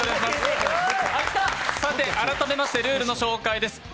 さて、改めましてルールの紹介です。